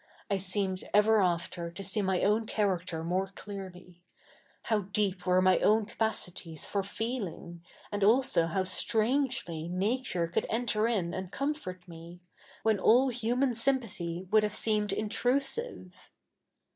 I seemed ever after to see my oivfi character more clearly — hoiv deep were 7fiy ow7i capacities for feeling, a7id also how st7'a7igely Nature could e7iter in and comfort me, when all hu77ia7i sy7?ipathy would have see77ied intf usive.